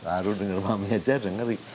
aduh denger mami aja denger ri